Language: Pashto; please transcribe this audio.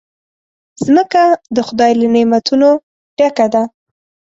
مځکه د خدای له نعمتونو ډکه ده.